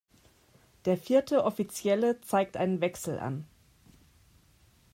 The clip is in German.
Der vierte Offizielle zeigt einen Wechsel an.